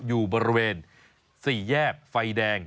อยู่บริเวณ๔แยกไฟแดง